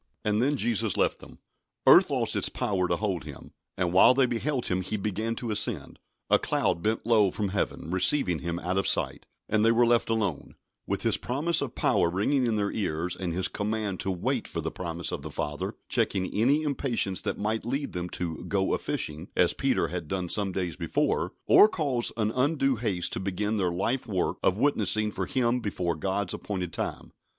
And then Jesus left them. Earth lost its power to hold Him, and while they beheld Him He began to ascend; a cloud bent low from Heaven, receiving Him out of sight, and they were left alone, with His promise of power ringing in their ears, and His command to "wait for the promise of the Father" checking any impatience that might lead them to "go a fishing," as Peter had done some days before, or cause an undue haste to begin their life work of witnessing for Him before God's appointed time.